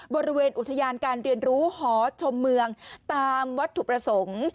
บริเวณอุทยานการเรียนรู้หอชมเมืองตามวัตถุประสงค์